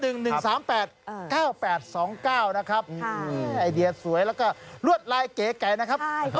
ไอเดียสวยแล้วก็ลวดลายเก๋ไก่นะครับ